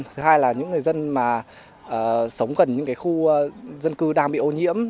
thứ hai là những người dân mà sống gần những khu dân cư đang bị ô nhiễm